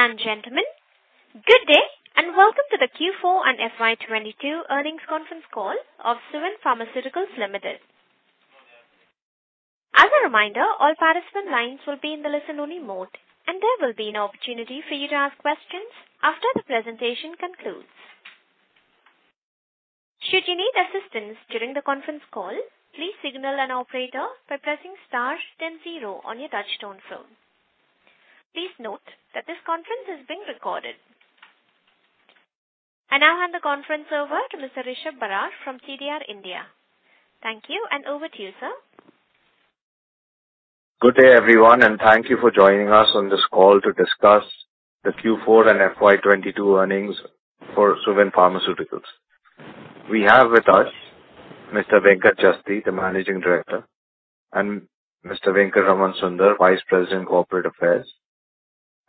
Ladies and gentlemen, good day, and welcome to the Q4 and FY 2022 earnings conference call of Suven Pharmaceuticals Limited. As a reminder, all participant lines will be in the listen-only mode, and there will be an opportunity for you to ask questions after the presentation concludes. Should you need assistance during the conference call, please signal an operator by pressing star then zero on your touchtone phone. Please note that this conference is being recorded. I now hand the conference over to Mr. Rishabh Bharar from CDR India. Thank you, and over to you, sir. Good day, everyone, and thank you for joining us on this call to discuss the Q4 and FY 2022 earnings for Suven Pharmaceuticals. We have with us Mr. Venkat Jasti, the Managing Director, and Mr. Venkatraman Sunder, Vice President, Corporate Affairs,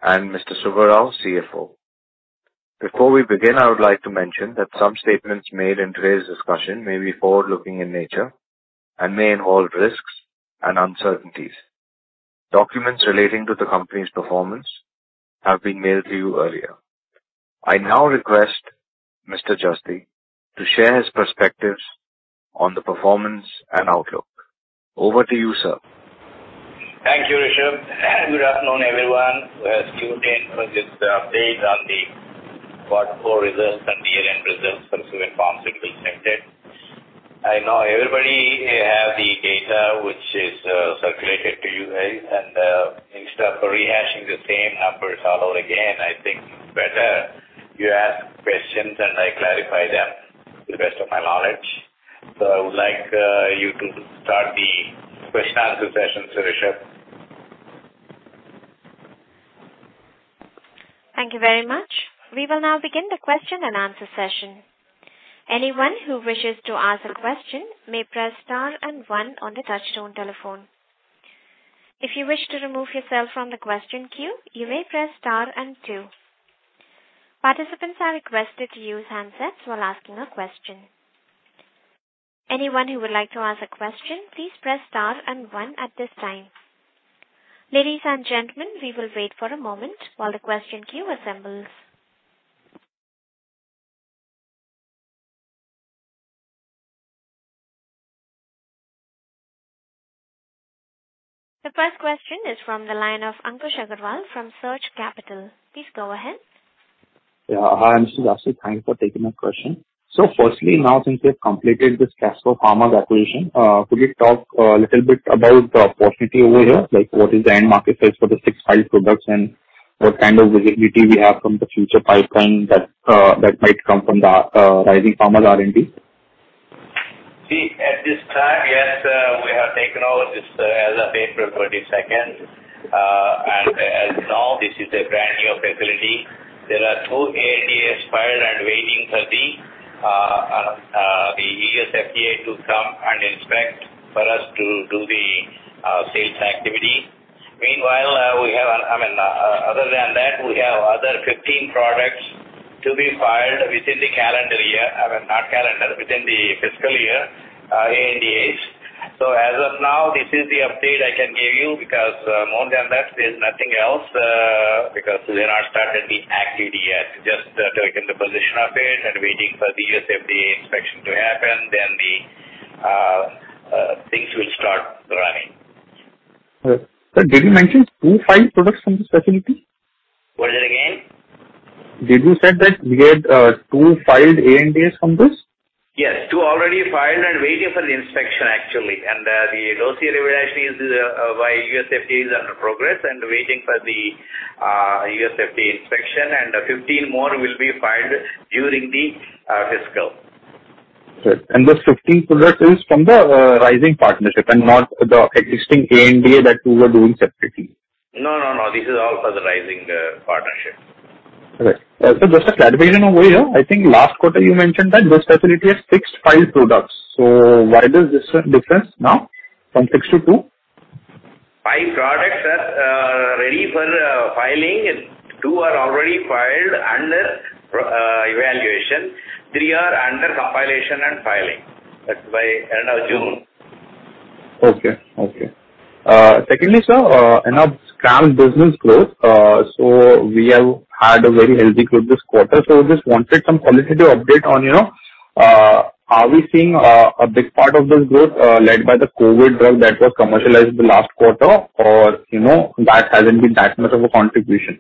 and Mr. Subba Rao, CFO. Before we begin, I would like to mention that some statements made in today's discussion may be forward-looking in nature and may involve risks and uncertainties. Documents relating to the company's performance have been mailed to you earlier. I now request Mr. Jasti to share his perspectives on the performance and outlook. Over to you, sir. Thank you, Rishabh, and good afternoon, everyone, who has tuned in for this update on the quarter four results and year-end results from Suven Pharmaceuticals Limited. I know everybody have the data which is circulated to you guys, and instead of rehashing the same numbers all over again, I think better you ask questions, and I clarify them to the best of my knowledge. I would like you to start the question answer session, sir Rishabh. Thank you very much. We will now begin the question-and-answer session. Anyone who wishes to ask a question may press star and one on the touchtone telephone. If you wish to remove yourself from the question queue, you may press star and two. Participants are requested to use handsets while asking a question. Anyone who would like to ask a question, please press star and one at this time. Ladies and gentlemen, we will wait for a moment while the question queue assembles. The first question is from the line of Ankush Agrawal from Surge Capital. Please go ahead. Yeah. Hi, Mr. Jasti. Thank you for taking my question. Firstly, now since you've completed this Casper Pharma acquisition, could you talk a little bit about the opportunity over here? Like, what is the end market sales for the six filed products, and what kind of visibility we have from the future pipeline that that might come from the, Rising Pharma's R&D? See, at this time, yes, we have taken over this as of April 22nd. As you know, this is a brand-new facility. There are two ANDAs filed and waiting for the U.S. FDA to come and inspect for us to do the sales activity. Meanwhile, I mean, other than that, we have other 15 products to be filed within the calendar year. I mean, not calendar, within the fiscal year, ANDAs. As of now, this is the update I can give you because more than that there's nothing else, because they've not started the activity yet. Just taken the position of it and waiting for the U.S. FDA inspection to happen, then things will start running. Right. Sir, did you mention two filed products from this facility? What is it again? Did you said that you had two filed ANDAs from this? Yes. two already filed and waiting for the inspection actually. The dose evaluation by U.S. FDA is in progress and waiting for the U.S. FDA inspection, and 15 more will be filed during the fiscal. Right. Those 15 product is from the Rising Pharma partnership and not the existing ANDA that you were doing separately? No, no. This is all for the Rising partnership. All right. Just a clarification over here. I think last quarter you mentioned that this facility has six filed products, so why this difference now from six-two? Five products are ready for filing. Two are already filed under evaluation. Three are under compilation and filing. That's by end of June. Okay. Secondly, sir, you know, CRAMS business growth. We have had a very healthy growth this quarter, so just wanted some qualitative update on, you know, are we seeing a big part of this growth led by the COVID drug that was commercialized the last quarter, or, you know, that hasn't been that much of a contribution?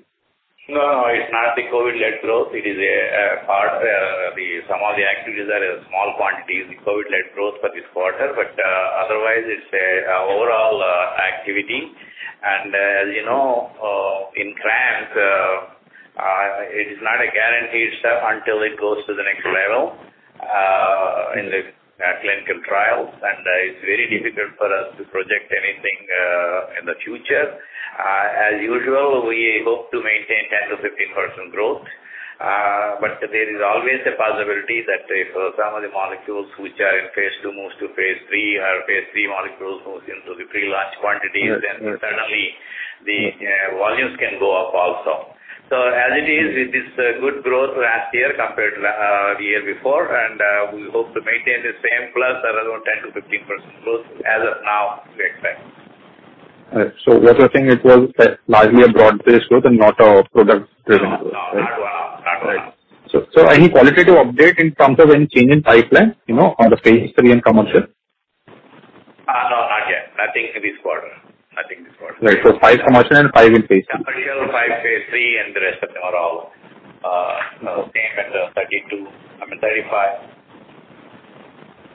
No, no. It's not the COVID-led growth. It is a part, some of the activities are small quantities, the COVID-led growth for this quarter. Otherwise, it's overall activity. As you know, in CRAMS, it is not a guaranteed stuff until it goes to the next level in the clinical trials. It's very difficult for us to project anything in the future. As usual, we hope to maintain 10%-15% growth. There is always a possibility that if some of the molecules which are in phase II moves to phase III or phase III molecules moves into the pre-launch quantities. Yes, yes. Suddenly the volumes can go up also. As it is, it is a good growth last year compared to the year before, and we hope to maintain the same plus around 10%-15% growth as of now. All right. Was the thing it was largely a broad-based growth and not a product-driven growth? No, not at all. Right. Any qualitative update in terms of any change in pipeline, you know, on the phase III and commercial? No, not yet. Nothing in this quarter. Right. Five commercial and five in phase III. Commercial, five phase III, and the rest of them are all same under 32, I mean 35.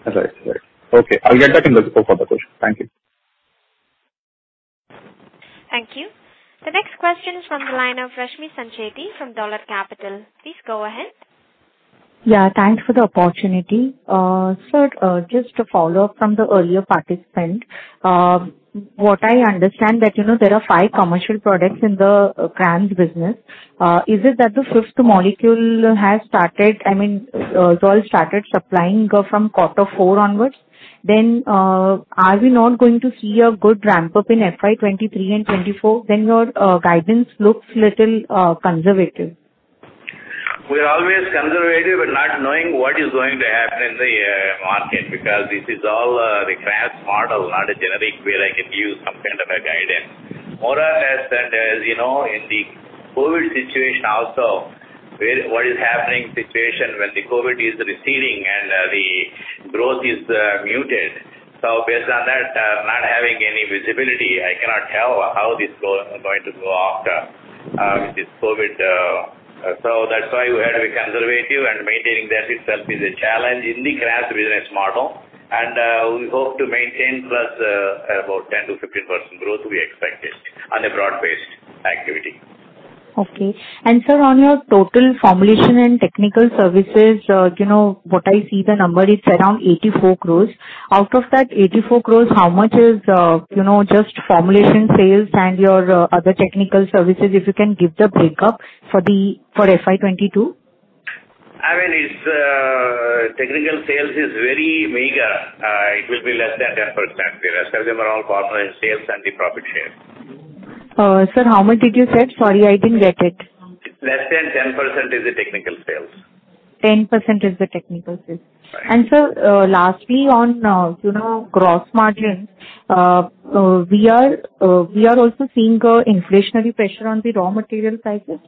All right. Right. Okay, I'll get back in the session for further question. Thank you. Thank you. The next question is from the line of Rashmi Sancheti from Dolat Capital. Please go ahead. Yeah, thanks for the opportunity. Sir, just to follow up from the earlier participant. What I understand that, you know, there are five commercial products in the CRAMS business. Is it that the fifth molecule has started, I mean, Zydus started supplying, from quarter four onwards? Are we not going to see a good ramp-up in FY 2023 and 2024? Your guidance looks little conservative. We're always conservative in not knowing what is going to happen in the market because this is all the CRAMS model, not a generic where I can give you some kind of a guidance. More or less, you know, in the COVID situation also, where what is happening situation when the COVID is receding and the growth is muted. Based on that, not having any visibility, I cannot tell how this is going to go after with this COVID. That's why we had to be conservative and maintaining that itself is a challenge in the CRAMS business model. We hope to maintain plus about 10%-15% growth we expect it on a broad-based activity. Okay. Sir, on your total formulation and technical services, what I see the number is around 84 crore. Out of that 84 crore, how much is just formulation sales and your other technical services, if you can give the breakup for FY 2022. I mean, it's technical sales is very meager. It will be less than 10%. The rest of them are all formula and sales and the profit share. Sir, how much did you say? Sorry, I didn't get it. Less than 10% is the technical sales. 10% is the technical sales. Right. Sir, lastly on, you know, gross margins, we are also seeing a inflationary pressure on the raw material prices.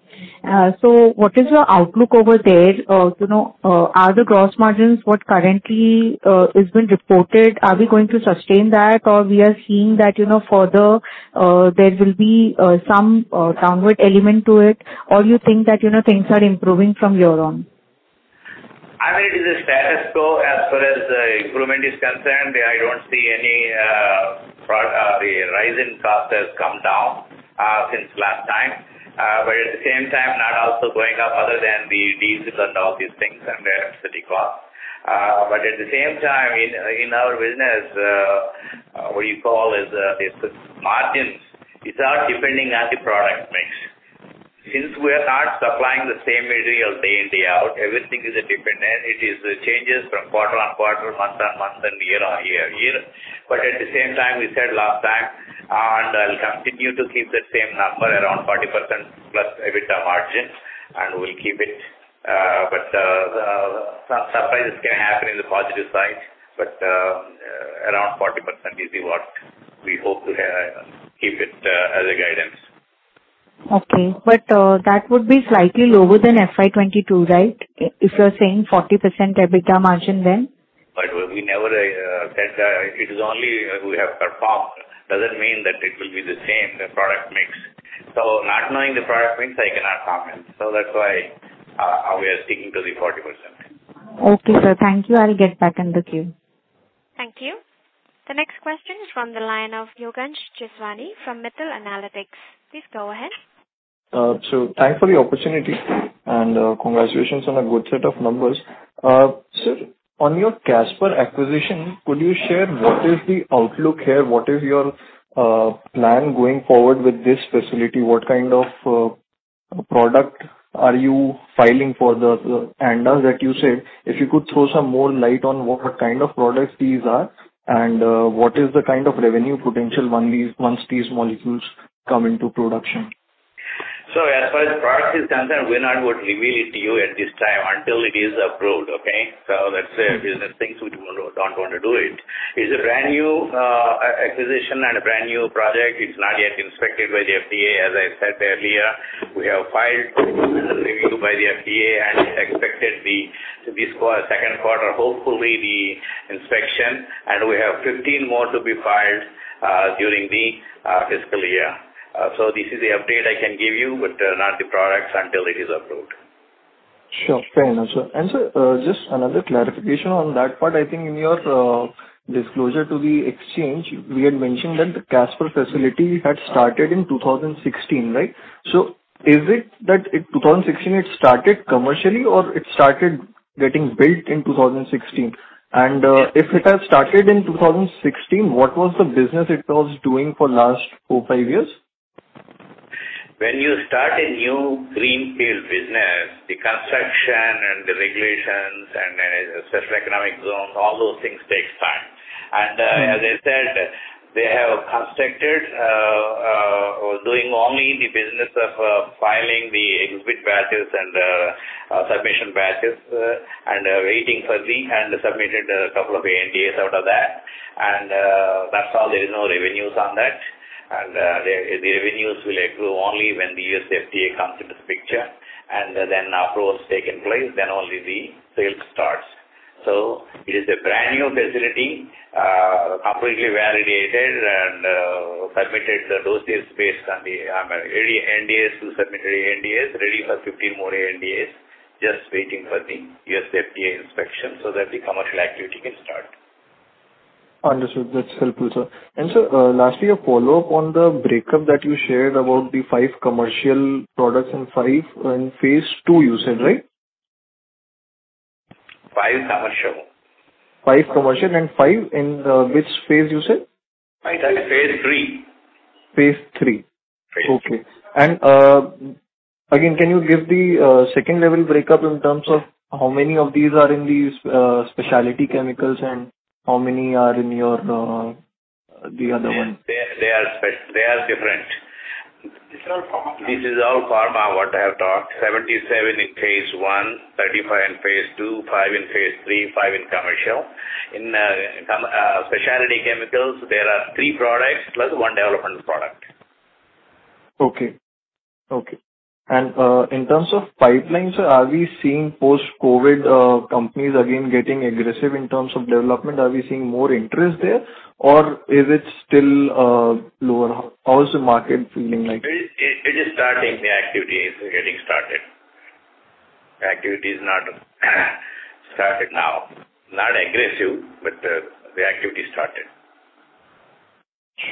So what is your outlook over there? You know, are the gross margins what currently has been reported, are we going to sustain that or we are seeing that, you know, further, there will be some downward element to it? Or you think that, you know, things are improving from your end? I mean, it is a status quo as far as the improvement is concerned. I don't see any, the rise in cost has come down since last time. At the same time, not also going up other than the diesel and all these things and the city cost. At the same time, in our business, what you call is the margins. It's all depending on the product mix. Since we are not supplying the same material day in, day out, everything is different. It changes from quarter-on-quarter, month-on-month and year-on-year. At the same time, we said last time, and I'll continue to keep the same number around 40%+ EBITDA margin, and we'll keep it. Some surprises can happen on the positive side, but around 40% is what we hope to have, keep it as a guidance. Okay. That would be slightly lower than FY 2022, right? If you're saying 40% EBITDA margin then. We never said it is only we have performed. Doesn't mean that it will be the same, the product mix. Not knowing the product mix, I cannot comment. That's why we are sticking to the 40%. Okay sir. Thank you. I'll get back in the queue. Thank you. The next question is from the line of Yogansh Jeswani from Mittal Analytics. Please go ahead. Thanks for the opportunity and congratulations on a good set of numbers. Sir, on your Casper acquisition, could you share what is the outlook here? What is your plan going forward with this facility? What kind of product are you filing for the ANDA that you said? If you could throw some more light on what kind of products these are and what is the kind of revenue potential once these molecules come into production. As far as the product is concerned, we're not going to reveal it to you at this time until it is approved. Okay? That's a business thing we don't want to do. It's a brand new acquisition and a brand new project. It's not yet inspected by the FDA as I said earlier. We have filed a review by the FDA, and it's expected in the second quarter, hopefully the inspection. We have 15 more to be filed during the fiscal year. This is the update I can give you, but not the products until it is approved. Sure. Fair enough, sir. Sir, just another clarification on that part. I think in your disclosure to the exchange, we had mentioned that the Casper facility had started in 2016, right? So is it that in 2016 it started commercially or it started getting built in 2016? If it has started in 2016, what was the business it was doing for last four, five years? When you start a new greenfield business, the construction and the regulations and special economic zones, all those things takes time. As I said, they have constructed. Doing only the business of filing the exhibit batches and submission batches and waiting for the. Submitted a couple of ANDAs out of that. That's all. There is no revenues on that. The revenues will accrue only when the U.S. FDA comes into the picture, and then approvals take place, then only the sales starts. It is a brand-new facility, appropriately validated and submitted the dossier based on the, I mean, ANDAs, two submitted ANDAs, ready for 15 more ANDAs, just waiting for the U.S. FDA inspection so that the commercial activity can start. Understood. That's helpful, sir. Sir, lastly, a follow-up on the breakdown that you shared about the five commercial products and five in phase II you said, right? five commercial. Five commercial, and five in, which phase you said? I said phase III. phase III. phase 3. Okay. Again, can you give the second-level breakup in terms of how many of these are in these specialty chemicals and how many are in your, the other one? They are different. These are all pharma. This is all pharma what I have talked. 77 in phase I, 35 in phase II, five in phase III, five in commercial. In specialty chemicals, there are three products +1 development product. Okay. In terms of pipelines, are we seeing post-COVID companies again getting aggressive in terms of development? Are we seeing more interest there, or is it still lower? How is the market feeling like? It is starting. The activity is getting started. Activity is not started now. Not aggressive, but the activity started.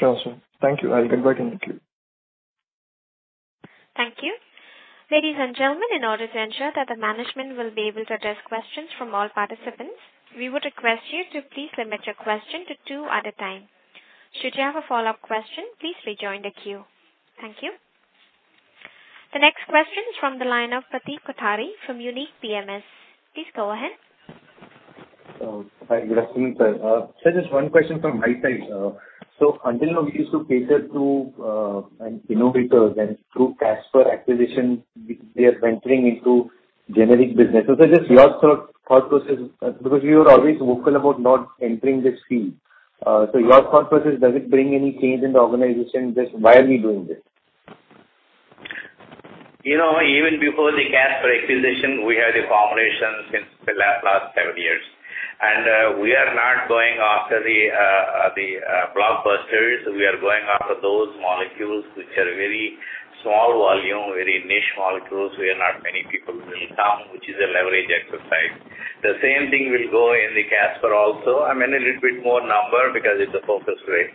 Sure, sir. Thank you. I'll get back to you. Thank you. Ladies and gentlemen, in order to ensure that the management will be able to address questions from all participants, we would request you to please limit your question to two at a time. Should you have a follow-up question, please rejoin the queue. Thank you. The next question is from the line of Pratik Kothari from Unique PMS. Please go ahead. Hi. Good afternoon, sir. Sir, just one question from my side. Until now we used to cater to innovators and through Casper acquisition we are venturing into generic business. Sir just your sort of thought process, because you were always vocal about not entering this field. Your thought process, does it bring any change in the organization? Just why are we doing this? You know, even before the Casper acquisition, we had the formulations in the last seven years. We are not going after the blockbusters. We are going after those molecules which are very small volume, very niche molecules, where not many people will come, which is a leverage exercise. The same thing will go in the Casper also. I mean, a little bit more number because it's a focused way.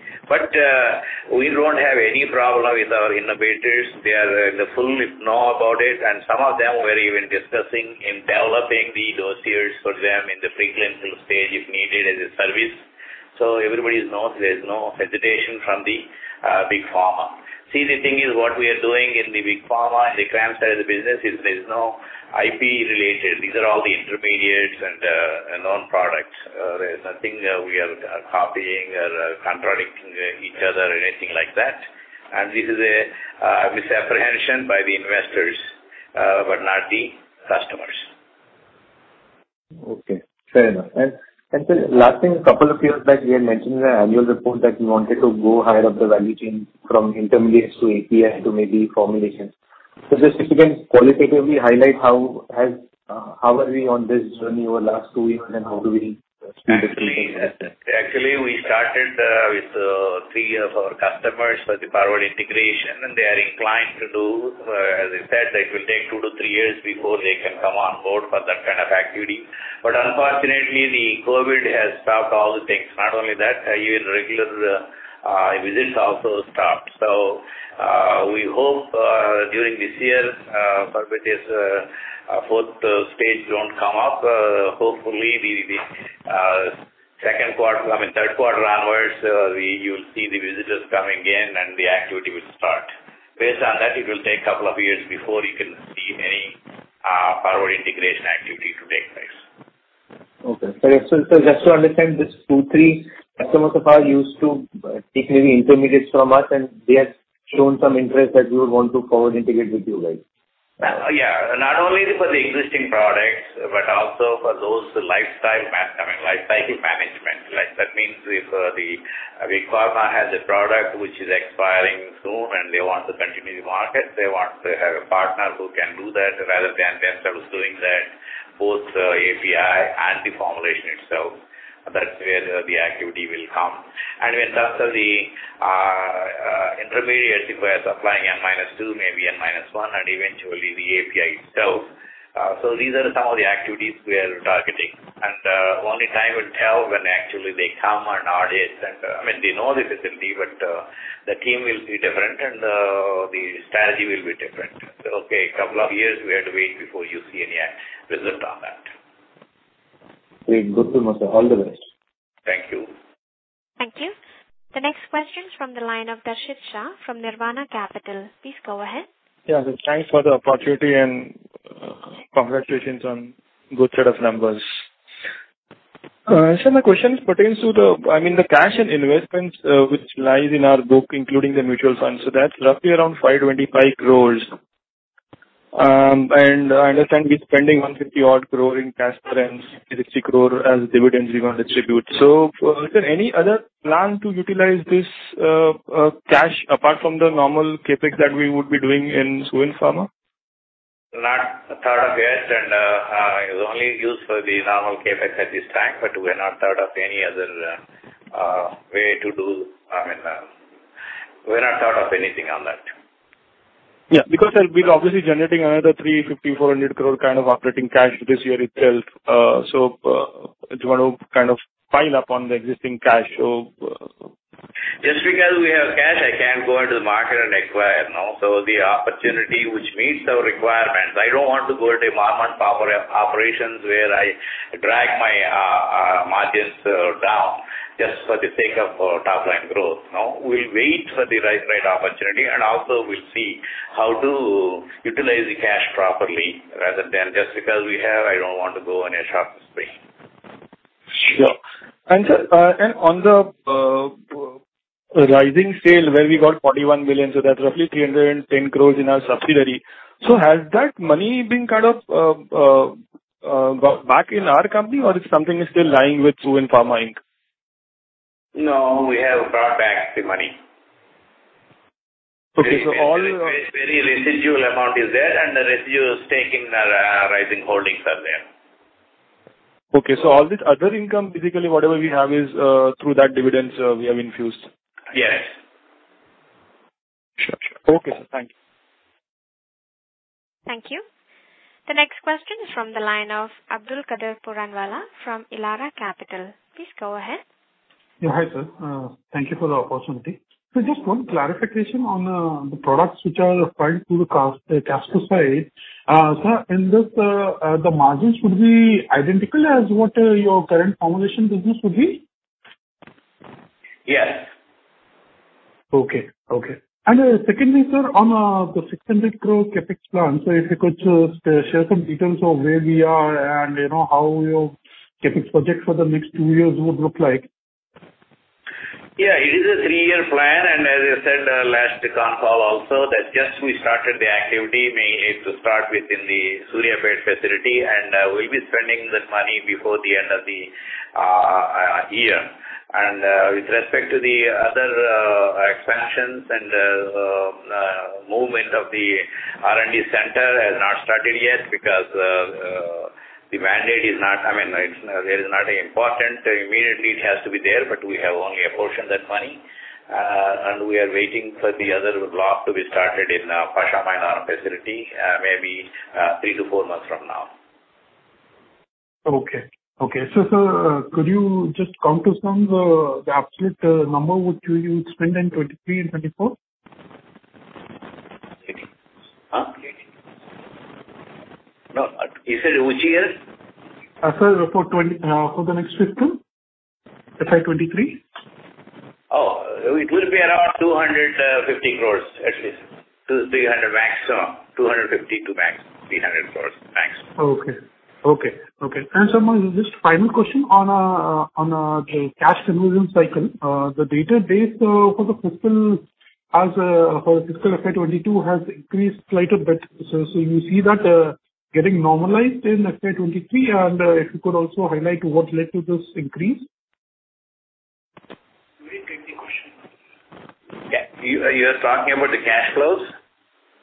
We don't have any problem with our innovators. They are fully in the know about it, and some of them were even discussing developing the dossiers for them in the preclinical stage if needed as a service. Everybody knows. There's no hesitation from the big pharma. See, the thing is what we are doing in the big pharma, in the CRAMS side of the business is, there's no IP related. These are all the intermediates and own products. There's nothing we are copying or contradicting each other or anything like that. This is a misapprehension by the investors, but not the customers. Okay. Fair enough. Sir, last thing, a couple of years back you had mentioned in the annual report that you wanted to go higher up the value chain from intermediates to API to maybe formulations. Just if you can qualitatively highlight how are we on this journey over last two years and how do we see the future assets? Actually we started with three of our customers for the forward integration, and they are inclined to do. As I said, it will take two-three years before they can come on board for that kind of activity. Unfortunately, the COVID has stopped all the things. Not only that, even regular visits also stopped. We hope during this year, provided this fourth wave don't come up, hopefully the second quarter, I mean, third quarter onwards, we'll see the visitors coming in and the activity will start. Based on that, it will take a couple of years before you can see any forward integration activity to take place. Okay. Fair enough. Just to understand this, two, three customers of ours used to take maybe intermediates from us, and they have shown some interest that we would want to forward integrate with you guys. Yeah. Not only for the existing products, but also for those, I mean, lifecycle management. Like, that means if the big pharma has a product which is expiring soon and they want to continue the market, they want to have a partner who can do that rather than themselves doing that, both the API and the formulation itself. That's where the activity will come. In terms of the intermediate, if we are supplying N-2, maybe N-1, and eventually the API itself. These are some of the activities we are targeting. Only time will tell when actually they come on audit. I mean, they know the facility, but the team will be different and the strategy will be different. Okay, couple of years we have to wait before you see any result on that. Great. Good to know, sir. All the best. Thank you. Thank you. The next question is from the line of Darshit Shah from Nirvana Capital. Please go ahead. Thanks for the opportunity and congratulations on good set of numbers. Sir, my question pertains to the, I mean, the cash and investments which lies on our books, including the mutual funds. That's roughly around 525 crore. And I understand we're spending 150 odd crore in Casper Pharma and 60 crore as dividends we gonna distribute. Is there any other plan to utilize this cash apart from the normal CapEx that we would be doing in Suven Pharma? Not thought of yet. It's only used for the normal CapEx at this time. I mean, we have not thought of anything on that. Yeah, because we'll be obviously generating another 350 crore-400 crore kind of operating cash this year itself. Do you want to kind of pile up on the existing cash? Just because we have cash, I can't go into the market and acquire. No. The opportunity which meets our requirements, I don't want to go to a marginal operations where I drag my margins down just for the sake of top-line growth. No. We'll wait for the right opportunity, and also we'll see how to utilize the cash properly rather than just because we have. I don't want to go on a shopping spree. Sure. Sir, on the Rising sale, where we got $41 million, so that's roughly 310 crore in our subsidiary. Has that money been kind of got back in our company or something is still lying with Suven Pharma, Inc? No, we have brought back the money. Okay. Very, very residual amount is there, and the residual stake in our Rising holdings are there. Okay. All this other income, basically whatever we have is through that dividends, we have infused. Yes. Sure. Okay, sir. Thank you. Thank you. The next question is from the line of Abdulkader Puranwala from Elara Capital. Please go ahead. Hi, sir. Thank you for the opportunity. Just one clarification on the products which are supplied through the Casper side. Sir, in this, the margins would be identical as what your current formulation business would be? Yes. Okay. Secondly, sir, on the 600 crore CapEx plan, if you could share some details of where we are and, you know, how your CapEx project for the next two years would look like. Yeah. It is a three-year plan. As I said, last con call also that we just started the activity, mainly to start within the Suryapet facility, and we'll be spending that money before the end of the year. With respect to the other expansions and movement of the R&D center has not started yet because the mandate is not. I mean, it's not important immediately it has to be there, but we have only apportioned that money. We are waiting for the other block to be started in the Pashamylaram facility, maybe three to four months from now. Sir, could you just comment on some of the absolute numbers which you would spend in 2023 and 2024? Huh? No. You said which year? Sir, for 20, for the next fiscal. FY 2023. It will be around 250 crore at least. 200 crore-300 crore max. INR 250 crore-INR 300 crore maximum. Okay. Sir, just final question on the cash conversion cycle. The cash conversion cycle for fiscal FY 2022 has increased slightly. Do you see that getting normalized in FY 2023, and if you could also highlight what led to this increase? Can you repeat the question? Yeah. You are talking about the cash flows?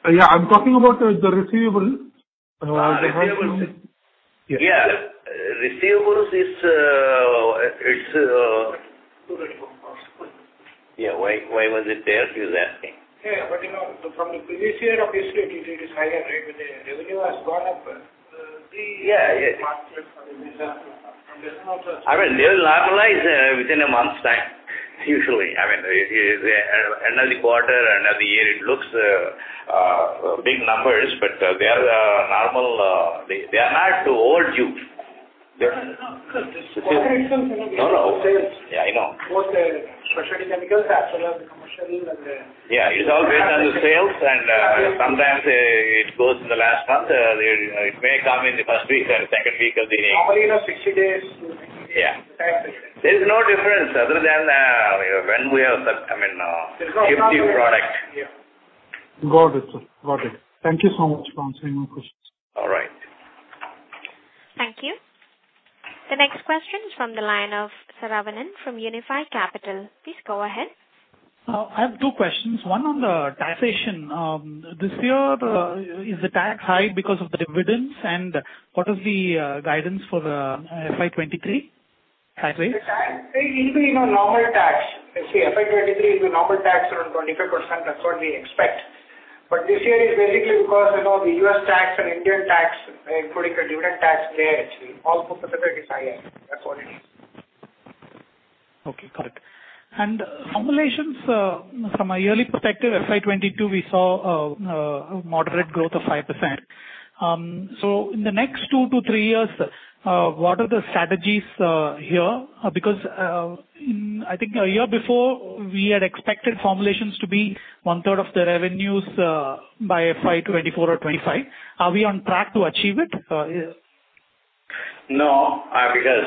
Yeah. I'm talking about the receivables. The receivables. Yeah. Yeah. Receivables is, it's. Yeah. Why was it there? He's asking. Yeah. You know, from the previous year obviously it is higher, right? The revenue has gone up three years. Yeah. I mean, they'll normalize within a month's time usually. I mean, it is end of the quarter, end of the year. It looks big numbers, but they are normal. They are not overdue. No, no. No, no. Sales. Yeah, I know. Both specialty chemicals, Casper commercial and Yeah. It's all based on the sales and, sometimes, it goes in the last month. It may come in the first week or second week of the Normally in a 60 days. Yeah. Timeframe. There is no difference other than when we have, I mean, 50 product. Yeah. Got it, sir. Got it. Thank you so much for answering my questions. All right. Thank you. The next question is from the line of Saravanan from Unifi Capital. Please go ahead. I have two questions. One on the taxation. This year, is the tax high because of the dividends, and what is the guidance for the FY 2023 tax rate? The tax rate will be, you know, normal tax. You see, FY 2023 will be normal tax around 25%. That's what we expect. This year is basically because, you know, the U.S. tax and Indian tax, including the dividend tax play actually. Also for the credit higher. That's what it is. Okay. Got it. Formulations from a yearly perspective, FY 2022, we saw a moderate growth of 5%. In the next two-three years, what are the strategies here? Because I think a year before we had expected formulations to be 1/3 of the revenues by FY 2024 or 2025. Are we on track to achieve it? No, because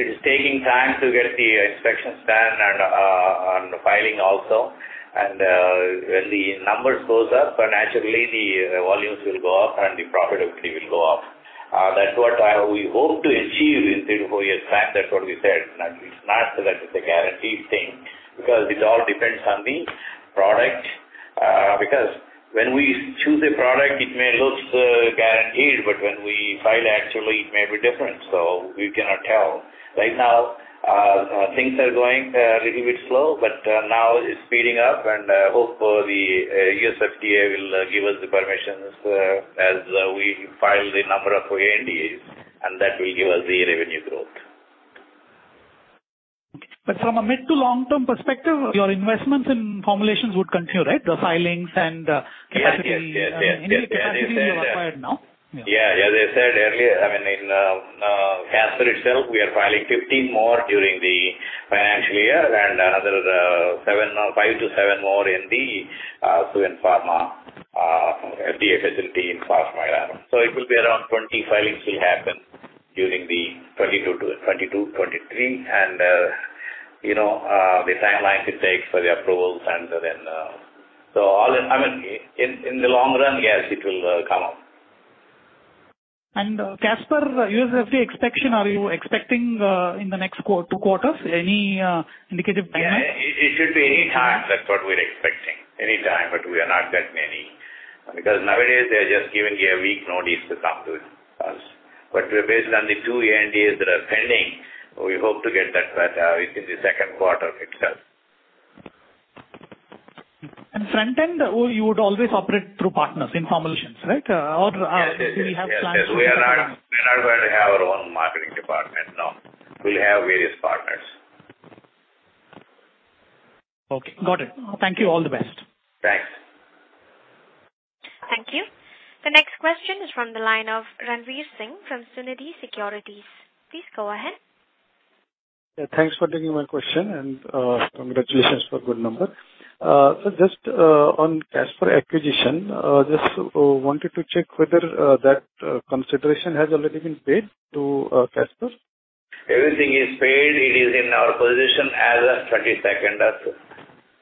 it is taking time to get the inspections done and on the filing also. When the numbers goes up, naturally the volumes will go up and the profitability will go up. That's what we hope to achieve in three-four years' time. That's what we said. It's not that it's a guaranteed thing because it all depends on the product. Because when we choose a product it may looks guaranteed, but when we file actually it may be different, so we cannot tell. Right now things are going a little bit slow, but now it's speeding up and hope for the U.S. FDA will give us the permissions as we file the number of ANDAs, and that will give us the revenue growth. From a mid to long-term perspective, your investments in formulations would continue, right? The filings and, capacity- Yes. Anyway, capacity you have acquired now. Yeah. As I said earlier, I mean, in Casper Pharma itself, we are filing 15 more during the financial year and another seven or five to seven more in the Suven Pharma FDA facility in Pashamylaram. It will be around 20 filings will happen during the 2022-2023. You know, the timeline it takes for the approvals and then, I mean, in the long run, yes, it will come up. Casper, U.S. FDA inspection, are you expecting in the next two quarters any indicative timeline? Yeah. It should be anytime. That's what we're expecting. Anytime, but we are not getting any. Because nowadays they're just giving you a week notice to come to us. Based on the two ANDAs that are pending, we hope to get that within the second quarter itself. Front-end, you would always operate through partners in formulations, right? Yes. Yes. Yes. Do you have plans to We are not going to have our own marketing department, no. We'll have various partners. Okay. Got it. Thank you. All the best. Thanks. Thank you. The next question is from the line of Ranvir Singh from Sunidhi Securities. Please go ahead. Thanks for taking my question, and congratulations for good number. Just on Casper acquisition, wanted to check whether that consideration has already been paid to Casper. Everything is paid. It is in our possession as at 22nd of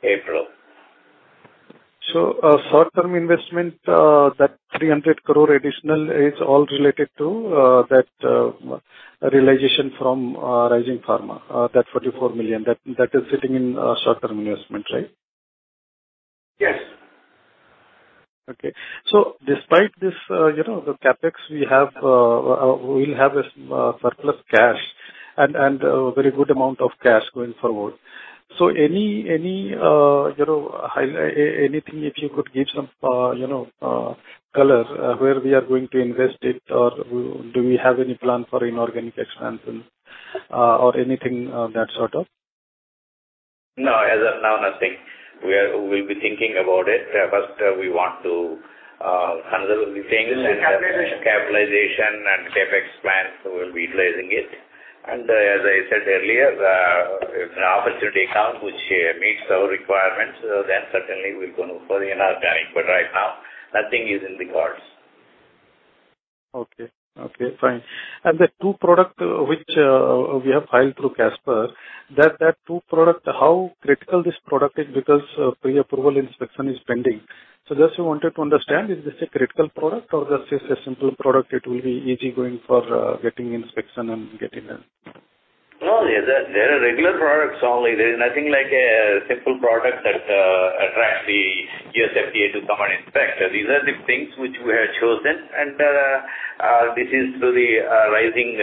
April. A short-term investment, that 300 crore additional is all related to, that realization from Rising Pharma, that $44 million, that is sitting in short-term investment, right? Yes. Okay. Despite this, you know, the CapEx we have, we'll have a surplus cash and a very good amount of cash going forward. You know, anything if you could give some you know color, where we are going to invest it or do we have any plan for inorganic expansion, or anything of that sort of? No. As of now, nothing. We'll be thinking about it. First, we want to handle the things and- Capitalization. Capitalization and CapEx plans, we'll be utilizing it. As I said earlier, if an opportunity comes which meets our requirements, then certainly we're gonna go the inorganic. Right now nothing is in the cards. Okay. Okay, fine. The two product which we have filed through Casper, that two product, how critical this product is because pre-approval inspection is pending. Just wanted to understand, is this a critical product or just it's a simple product, it will be easy going for getting inspection and getting a- No. They're regular products only. There is nothing like a simple product that attracts the U.S. FDA to come and inspect. These are the things which we have chosen and this is through the Rising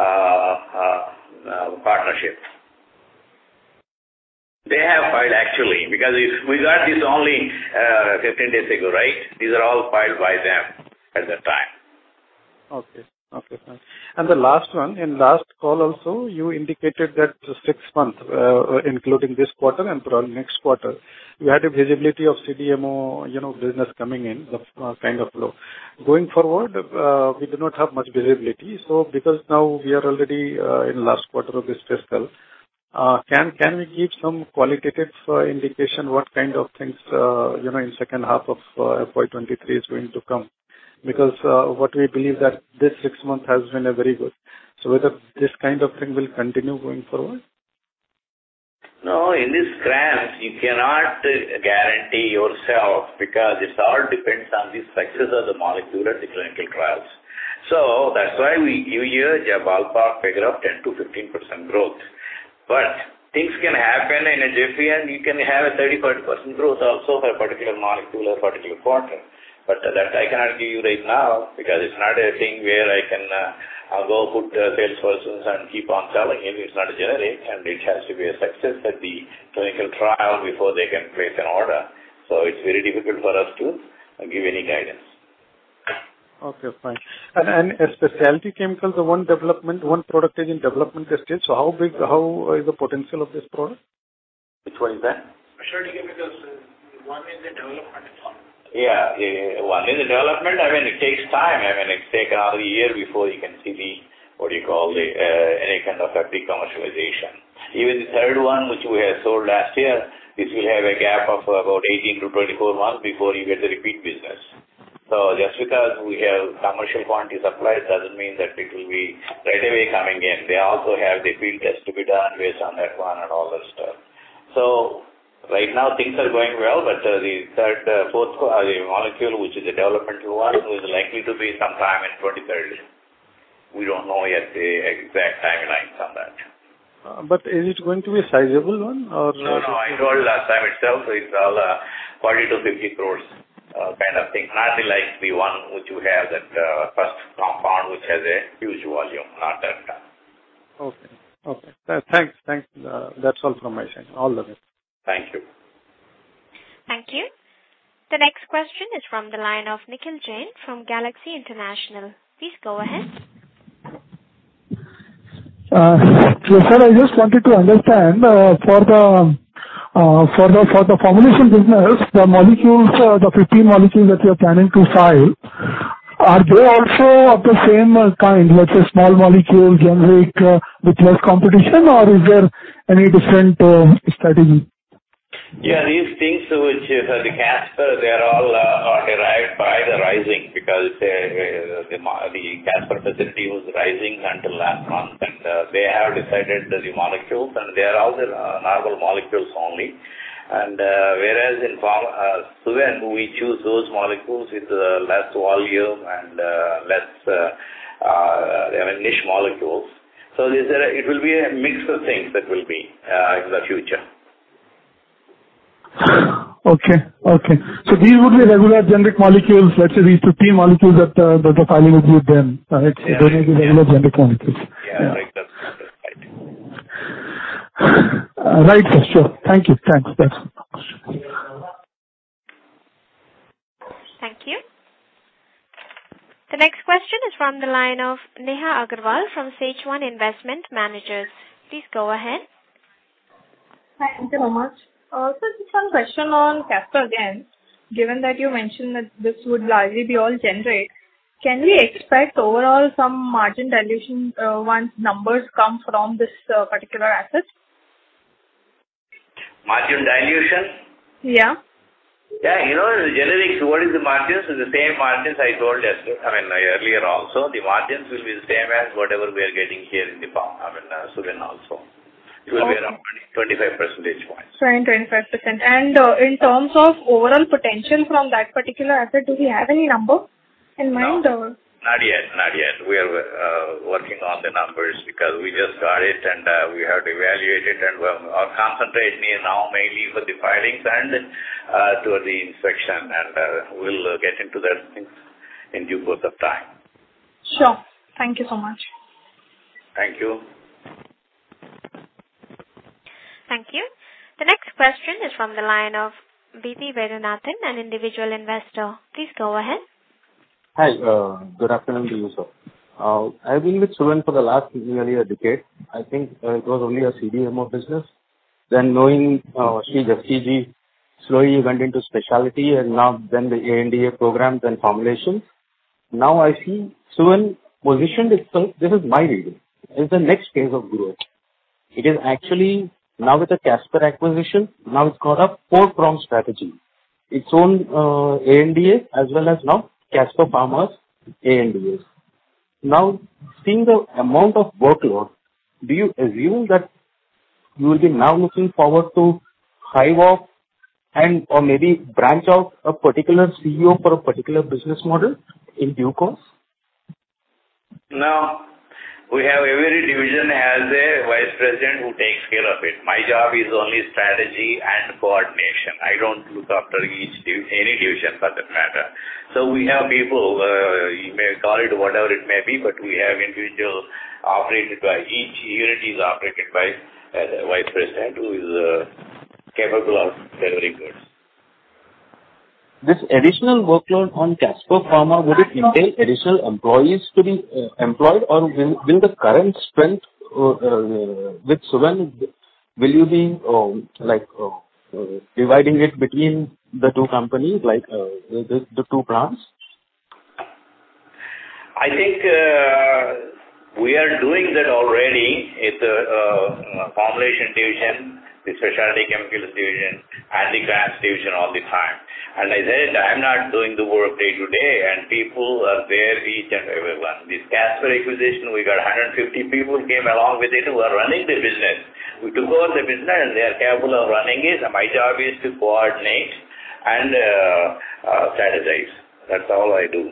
Pharma partnership. They have filed actually because it's. We got this only 15 days ago, right? These are all filed by them at that time. Okay. Okay, fine. The last one. In last call also, you indicated that the six month, including this quarter and probably next quarter, you had a visibility of CDMO, you know, business coming in, kind of flow. Going forward, we do not have much visibility. Because now we are already in last quarter of this fiscal, can we give some qualitative indication what kind of things, you know, in second half of FY 2023 is going to come? Because what we believe that this six month has been a very good. Whether this kind of thing will continue going forward? No. In this branch you cannot guarantee yourself because it all depends on the success of the molecule at the clinical trials. That's why we give you a ballpark figure of 10%-15% growth. Things can happen in a jiffy, and you can have a 35% growth also for a particular molecule or particular quarter. That I cannot give you right now because it's not a thing where I can go put salespersons and keep on selling. It is not a generic, and it has to be a success at the clinical trial before they can place an order. It's very difficult for us to give any guidance. Okay, fine. In specialty chemicals, one development, one product is in development stage. How big, how is the potential of this product? Which one is that? Sure, give me those. One is in development Yeah. One is in development. I mean, it takes time. I mean, it's taken half a year before you can see the, what do you call, any kind of a big commercialization. Even the third one which we have sold last year, it will have a gap of about 18-24 months before you get the repeat business. Just because we have commercial quantity supplies doesn't mean that it will be right away coming in. They also have the field test to be done based on that one and all that stuff. Right now things are going well, but, the third, fourth, molecule, which is a developmental one, is likely to be sometime in 2030. We don't know yet the exact timelines on that. Is it going to be a sizable one or- No, no. I told last time itself, it's all, 40 crore-50 crore, kind of thing. Nothing like the one which you have that, first compound, which has a huge volume. Not that one. Okay. Thanks, that's all from my side. All the best. Thank you. Thank you. The next question is from the line of Nikhil Jain from Galaxy International. Please go ahead. Sir, I just wanted to understand, for the formulation business, the molecules, the 15 molecules that you're planning to file, are they also of the same kind, let's say small molecule, generic, with less competition or is there any different strategy? Yeah, these things which the Casper, they are all on the right prior to Rising because the Casper facility was Rising until last month, and they have identified the molecules, and they are all novel molecules only. Whereas in former Suven, we choose those molecules with less volume and less, they're niche molecules. It will be a mix of things that will be in the future. These would be regular generic molecules, let's say these two three molecules that are filing with you then, correct? Yeah. Those would be regular generic molecules. Yeah, like that. That's right. Right. Sure. Thank you. Thanks. Thanks. Thank you. The next question is from the line of Neha Agarwal from SageOne Investment Managers. Please go ahead. Thank you so much. Just one question on Casper again. Given that you mentioned that this would largely be all generic, can we expect overall some margin dilution, once numbers come from this particular asset? Margin dilution? Yeah. Yeah, you know, the generics, what is the margins? Is the same margins I told earlier also. The margins will be the same as whatever we are getting here in the form, I mean, Suven also. Okay. It will be around 25 percentage points. 25%. In terms of overall potential from that particular asset, do we have any number in mind or? No. Not yet. We are working on the numbers because we just got it and we have to evaluate it and, well, our concentration now mainly for the filings and to the inspection, and we'll get into those things in due course of time. Sure. Thank you so much. Thank you. Thank you. The next question is from the line of B.P. Vedanathan, an individual investor. Please go ahead. Hi. Good afternoon to you, sir. I've been with Suven for the last nearly a decade. I think, it was only a CDMO business. Then knowing, through the CEO, slowly you went into specialty and now then the ANDA programs and formulations. Now I see Suven positioned itself, this is my reading, as the next phase of growth. It is actually now with the Casper acquisition, now it's got a four-prong strategy. Its own ANDA as well as now Casper Pharma's ANDAs. Now, seeing the amount of workload, do you assume that you will be now looking forward to hire and/or maybe branch out a particular CEO for a particular business model in due course? No. We have every division has a vice president who takes care of it. My job is only strategy and coordination. I don't look after any division for that matter. We have people, you may call it whatever it may be, but we have each unit is operated by vice president who is capable of delivering goods. This additional workload on Casper Pharma, would it entail additional employees to be employed or will the current strength with Suven will you be like dividing it between the two companies like the two plants? I think we are doing that already. It's formulation division, the specialty chemicals division and the CRAMS division all the time. I said I'm not doing the work day to day and people are there, each and everyone. This Casper acquisition, we got 150 people who came along with it who are running the business. We took over the business and they are capable of running it. My job is to coordinate and strategize. That's all I do.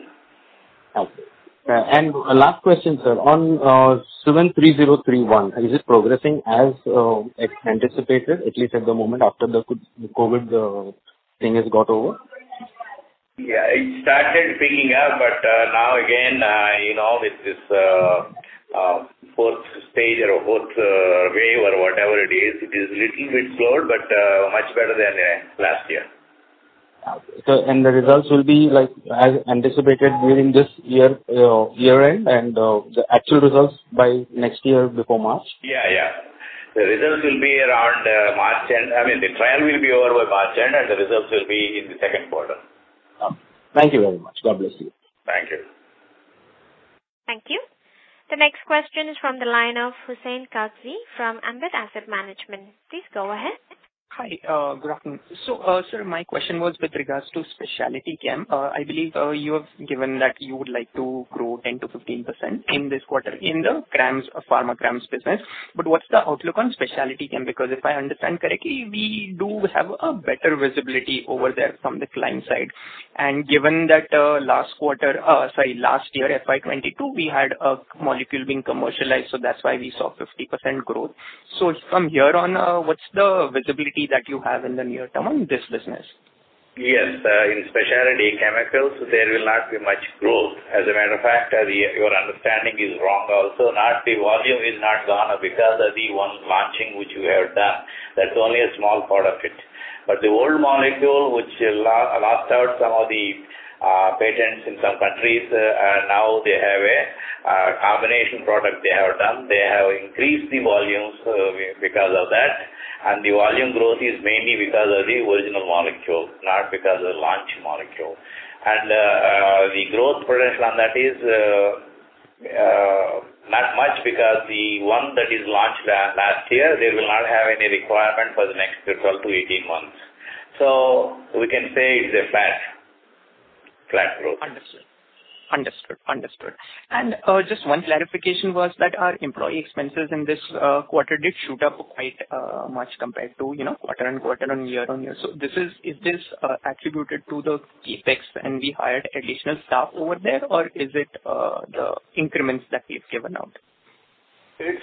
Okay. Last question, sir. On Suven 3031, is it progressing as anticipated at least at the moment after the COVID thing has got over? Yeah. It started picking up, but now again, you know, with this fourth stage or fourth wave or whatever it is, it is little bit slowed, but much better than last year. Okay. The results will be like as anticipated during this year-end and, the actual results by next year before March? Yeah, yeah. The results will be around March end. I mean, the trial will be over by March end, and the results will be in the second quarter. Thank you very much. God bless you. Thank you. Next question is from the line of Hussain Kagzi from Ambit Asset Management. Please go ahead. Hi. Good afternoon. Sir, my question was with regards to specialty chem. I believe you have given that you would like to grow 10%-15% in this quarter in the CRAMS, pharma CRAMS business. What's the outlook on specialty chem? Because if I understand correctly, we do have a better visibility over there from the client side. And given that, last year, FY 2022, we had a molecule being commercialized, so that's why we saw 50% growth. From here on, what's the visibility that you have in the near term on this business? Yes. In specialty chemicals, there will not be much growth. As a matter of fact, your understanding is wrong also. Not the volume is not gonna because of the one launching which you have done. That's only a small part of it. The old molecule which lapsed in some countries, and now they have a combination product they have done. They have increased the volumes because of that. The volume growth is mainly because of the original molecule, not because of the launch molecule. The growth potential on that is not much because the one that is launched last year, they will not have any requirement for the next 12-18 months. We can say it's a flat growth. Understood. Just one clarification was that our employee expenses in this quarter did shoot up quite much compared to, you know, quarter-on-quarter and year-on-year. Is this attributed to the CapEx and we hired additional staff over there, or is it the increments that we've given out? It's.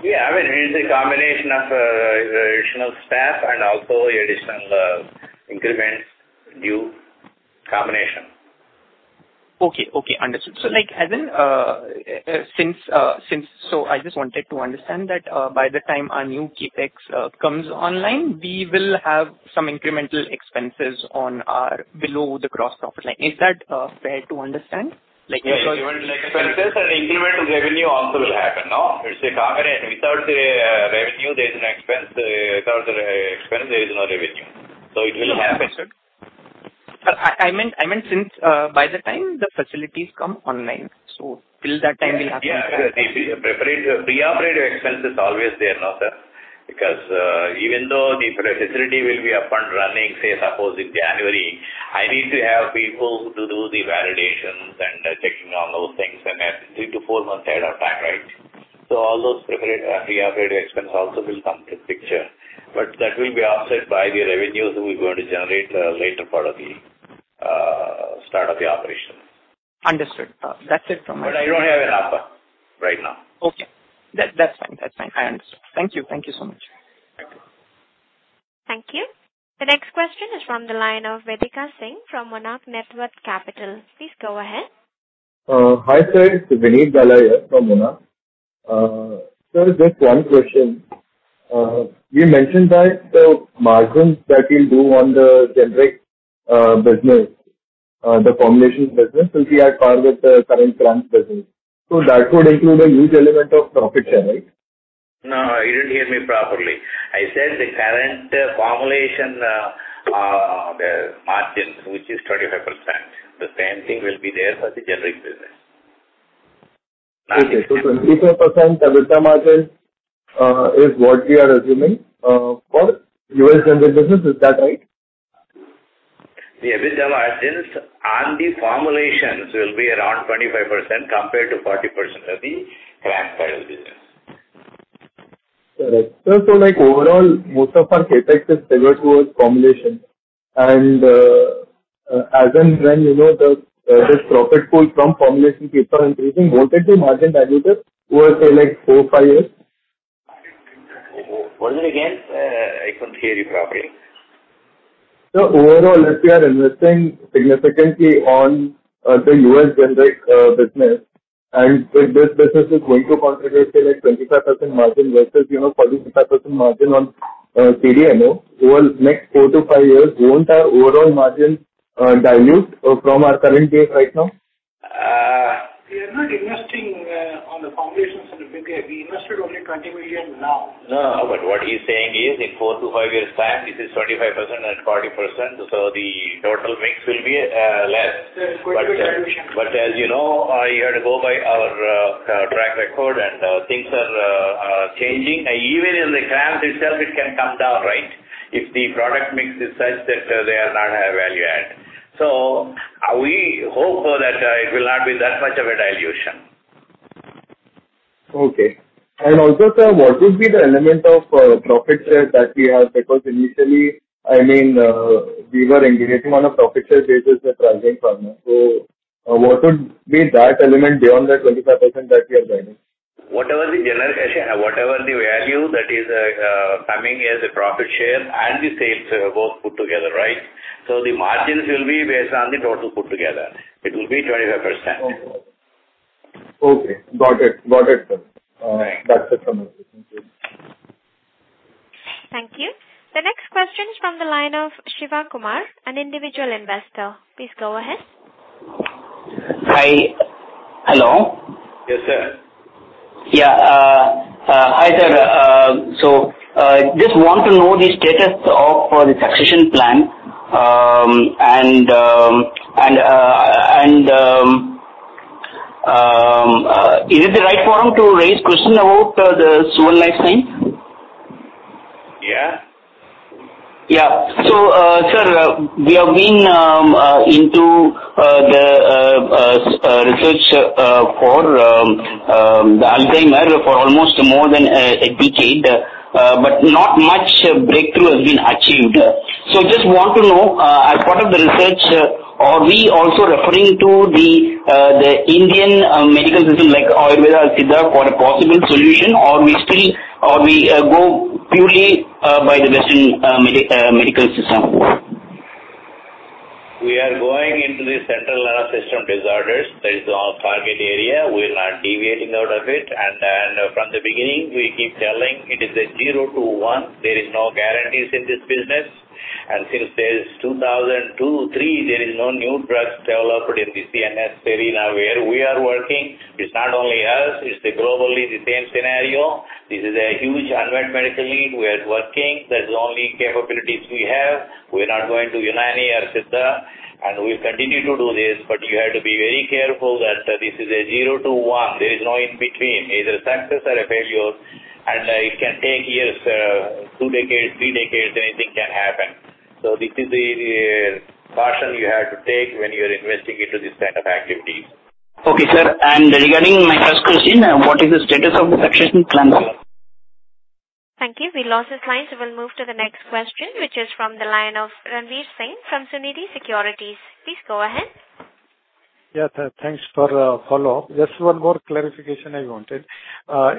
Yeah, I mean, it's a combination of additional staff and also additional increments due. Combination. Okay. Understood. Like, as in, since I just wanted to understand that, by the time our new CapEx comes online, we will have some incremental expenses on our below the gross profit line. Is that fair to understand? Like if our- Incremental expenses and incremental revenue also will happen, no? It's a combination. Without the revenue, there's no expense. Without the expense, there is no revenue. It will happen. Understood. I meant since by the time the facilities come online, till that time we have- The preparation, pre-operative expense is always there, no, sir? Because even though the facility will be up and running, say suppose in January, I need to have people to do the validations and checking on those things and then three to four months ahead of time, right? All those pre-operative expense also will come to picture. That will be offset by the revenues we're going to generate later part of the start of the operation. Understood, that's it from my side. I don't have an offer right now. Okay. That's fine. I understand. Thank you. Thank you so much. Thank you. Thank you. The next question is from the line of Vedika Singh from Monarch Networth Capital. Please go ahead. Hi, sir. It's Vineet Bala here from Monarch. Sir, just one question. You mentioned that the margins that we'll do on the generic business, the formulations business will be at par with the current plants business. That would include a huge element of profit share, right? No, you didn't hear me properly. I said the current formulation, the margin, which is 25%, the same thing will be there for the generic business. Okay. 25% EBITDA margin is what we are assuming for U.S. generic business. Is that right? The EBITDA margins on the formulations will be around 25% compared to 40% of the brand files business. Correct. Like overall, most of our CapEx is related to a formulation. As and when, you know, this profit pool from formulation keeps on increasing, won't it be margin dilutive over, say, like four-five years? What again? I couldn't hear you properly. Overall, if we are investing significantly on the U.S. generic business, and if this business is going to contribute, say like 25% margin versus, you know, 45% margin on CDMO over the next four-five years, won't our overall margin dilute from our current base right now? We are not investing on the formulations significantly. We invested only 20 million now. No, what he's saying is in four-five years' time, this is 25% and 40%, so the total mix will be less. There's going to be a dilution. As you know, you have to go by our track record and things are changing. Even in the brand itself, it can come down, right? If the product mix is such that they are not high value add. We hope so that it will not be that much of a dilution. Okay. Also, sir, what would be the element of profit share that we have? Because initially, I mean, we were engaging on a profit share basis with Rising Pharma. What would be that element beyond the 25% that we are earning? Actually, whatever the value that is, coming as a profit share and the sales, both put together, right? The margins will be based on the total put together. It will be 25%. Okay. Got it. Got it, sir. That's it from my side. Thank you. Thank you. The next question is from the line of Shiva Kumar, an individual investor. Please go ahead. Hi. Hello? Yes, sir. Yeah. Just want to know the status of the succession plan. Is it the right forum to raise question about the Suven Life Sciences? Yeah. Yeah, sir, we have been into the research for the Alzheimer's for almost more than a decade, but not much breakthrough has been achieved. Just want to know, as part of the research, are we also referring to the Indian medical system like Ayurveda, Siddha for a possible solution, or we still go purely by the Western medical system? We are going into the central nervous system disorders. That is our target area. We are not deviating out of it. From the beginning, we keep telling it is a zero to one. There is no guarantees in this business. Since 2002-2003, there is no new drugs developed in the CNS area where we are working. It's not only us, it's globally the same scenario. This is a huge unmet medical need. We are working. That is the only capabilities we have. We're not going to Unani or Siddha, and we continue to do this. You have to be very careful that this is a zero to one. There is no in between, either success or a failure. It can take years, two decades, three decades, anything can happen. This is the caution you have to take when you are investing into this kind of activity. Okay, sir. Regarding my first question, what is the status of the succession plan, sir? Thank you. We lost the client, so we'll move to the next question, which is from the line of Ranvir Singh from Sunidhi Securities. Please go ahead. Yeah. Thanks for the follow-up. Just one more clarification I wanted.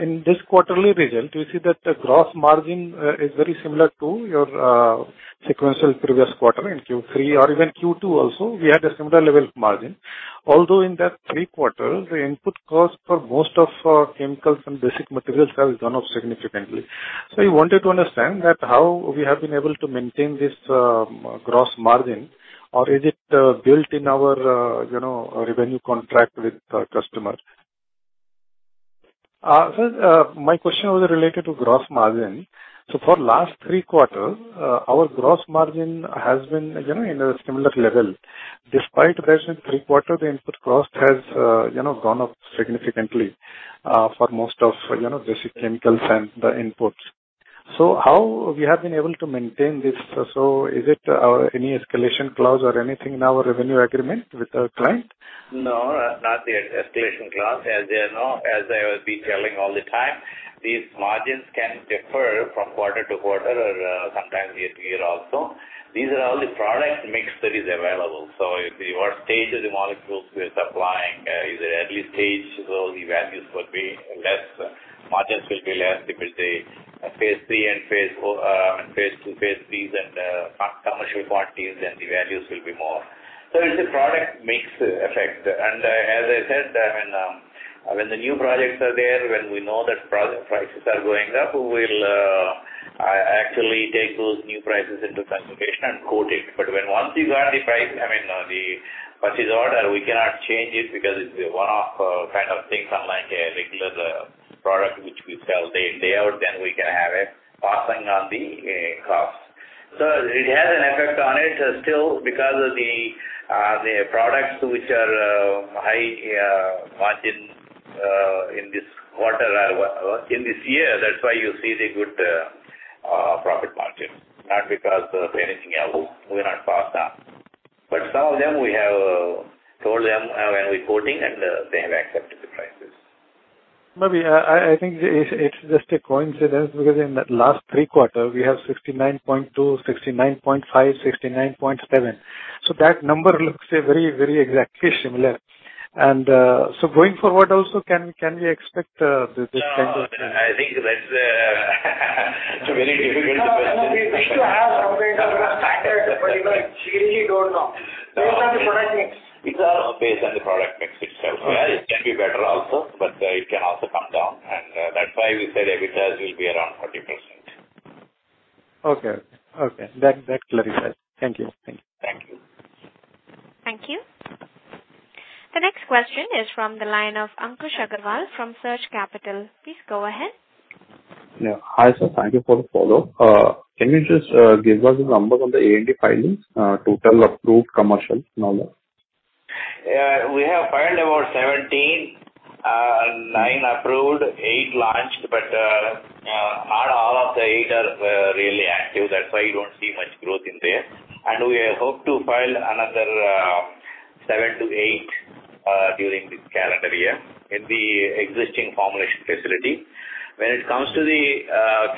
In this quarterly result, we see that the gross margin is very similar to your sequential previous quarter in Q3 or even Q2 also we had a similar level of margin. Although in that three quarter the input cost for most of chemicals and basic materials has gone up significantly. We wanted to understand that how we have been able to maintain this gross margin or is it built in our you know revenue contract with our customers. My question was related to gross margin. For last three quarter our gross margin has been you know in a similar level. Despite recent three quarter the input cost has you know gone up significantly for most of you know basic chemicals and the inputs. How we have been able to maintain this? Is it any escalation clause or anything in our revenue agreement with our client? No, not the escalation clause. As you know, as I have been telling all the time, these margins can differ from quarter to quarter or sometimes year to year also. These are all the product mix that is available. If what stage of the molecules we are supplying is it early stage? The values will be less, margins will be less. If it's a phase III and phase IV, phase II, phase III and commercial quantities, then the values will be more. It's a product mix effect. As I said, I mean, when the new projects are there, when we know that project prices are going up, we'll actually take those new prices into consideration and quote it. When once you got the price, I mean, the purchase order, we cannot change it because it's a one-off kind of things unlike a regular product which we sell day in, day out, then we can have it passing on the costs. It has an effect on it, still because of the products which are high margin in this quarter in this year. That's why you see the good profit margin, not because of anything else. We're not passed up. Some of them we have told them when we're quoting, and they have accepted the prices. Maybe I think it's just a coincidence because in the last three quarters we have 69.2%, 69.5%, 69.7%. That number looks very exactly similar. Going forward also can we expect this kind of? No. I think that's, it's a very difficult question. We should have some kind of standard, but we don't, we really don't know. Based on the product mix. It's based on the product mix itself. Okay. It can be better also, but it can also come down. That's why we said EBITDA will be around 40%. Okay. That clarifies. Thank you. Thank you. Thank you. The next question is from the line of Ankush Agrawal from Surge Capital. Please go ahead. Yeah. Hi, sir. Thank you for the follow-up. Can you just give us the numbers on the ANDA filings, total approved commercials and all that? Yeah. We have filed about 17, nine approved, eight launched, but not all of the eight are really active. That's why you don't see much growth in there. We hope to file another seven-eight during this calendar year in the existing formulation facility. When it comes to the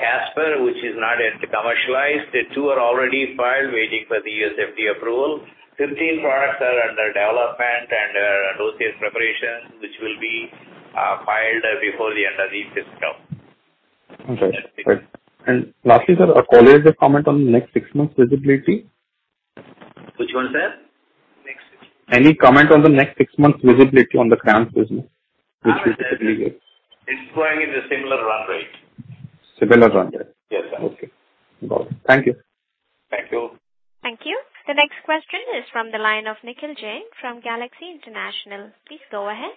Casper, which is not yet commercialized, the two are already filed waiting for the U.S. FDA approval. 15 products are under development and those phase preparations which will be filed before the end of this fiscal. Okay. Great. Lastly, sir, a qualitative comment on next six months visibility? Which one, sir? Any comment on the next six months visibility on the CRAMS business, which is typically good? It's going in the similar run rate. Similar run rate. Yes, sir. Okay. Got it. Thank you. Thank you. Thank you. The next question is from the line of Nikhil Jain from Galaxy International. Please go ahead.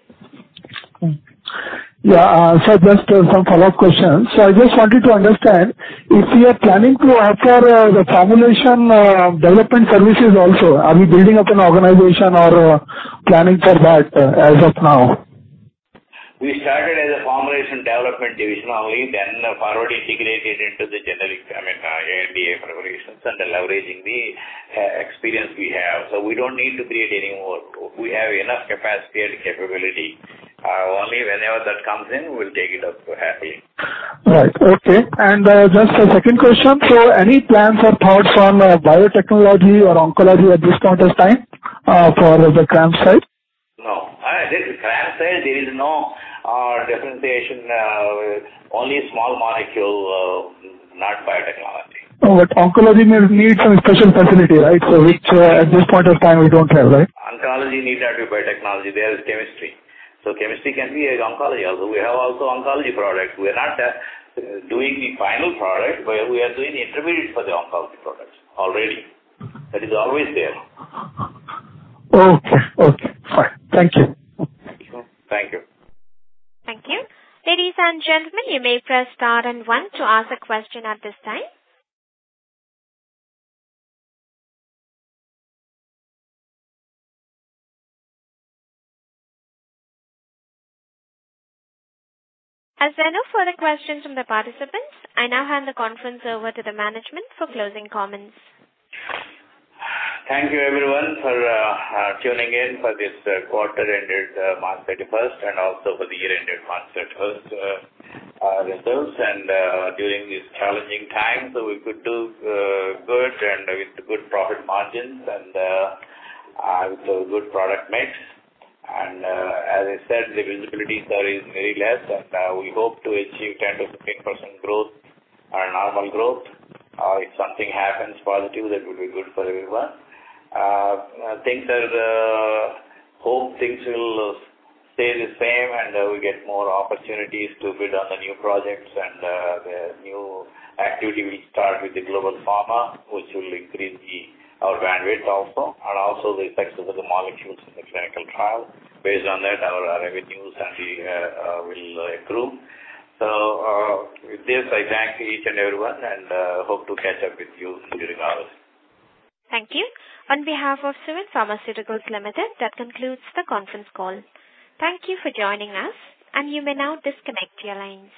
Yeah. Just some follow-up questions. I just wanted to understand if we are planning to offer the formulation development services also, are we building up an organization or planning for that as of now? We started as a formulation development division only, then forward integrated into the generic, I mean, ANDA preparations and leveraging the experience we have. We don't need to create any more. We have enough capacity and capability. Only whenever that comes in, we'll take it up happily. Right. Okay. Just a second question. Any plans or thoughts on biotechnology or oncology at this point of time for the CRAMS site? No, this CRAMS site, there is no differentiation. Only small molecule, not biotechnology. Oh, oncology may need some special facility, right? Which, at this point of time we don't have, right? Oncology need not be biotechnology. There is chemistry. Chemistry can be oncology also. We have also oncology product. We are not doing the final product, but we are doing intermediate for the oncology products already. That is always there. Okay. Okay, fine. Thank you. Thank you. Thank you. Ladies and gentlemen, you may press star and one to ask a question at this time. As there are no further questions from the participants, I now hand the conference over to the management for closing comments. Thank you, everyone, for tuning in for this quarter ended March 31st and also for the year ended March 31st results. During these challenging times, so we could do good and with good profit margins and with a good product mix. As I said, the visibility, sir, is very less, and we hope to achieve 10%-15% growth, our normal growth. If something happens positive, that will be good for everyone. Hope things will stay the same, and we get more opportunities to bid on the new projects and the new activity will start with the global pharma, which will increase our bandwidth also, and also the effects of the molecules in the clinical trial. Based on that, our revenues and the will accrue. With this, I thank each and everyone, and hope to catch up with you during ours. Thank you. On behalf of Suven Pharmaceuticals Limited, that concludes the conference call. Thank you for joining us, and you may now disconnect your lines.